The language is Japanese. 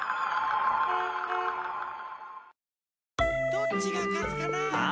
どっちがかつかなあ？